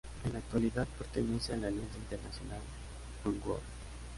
En la actualidad pertenece a la alianza internacional Oneworld.